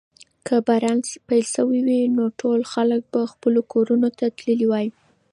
که باران پیل شوی وای نو ټول خلک به خپلو کورونو ته تللي وای.